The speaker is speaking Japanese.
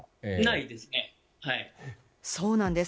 そうなんです。